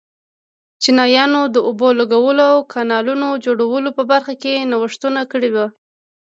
چینایانو د اوبو لګولو او کانالونو جوړولو په برخه کې نوښتونه کړي وو.